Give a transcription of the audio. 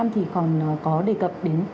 thì còn có đề cập đến